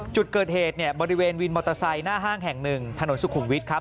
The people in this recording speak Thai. จุดเกิดเหตุเนี่ยบริเวณวินมอเตอร์ไซค์หน้าห้างแห่งหนึ่งถนนสุขุมวิทย์ครับ